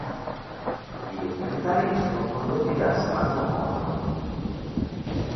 I documentari sono condotti da Samantha Morton.